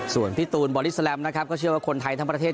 ส่วนพี่ตูนบอดี้แลมนะครับก็เชื่อว่าคนไทยทั้งประเทศ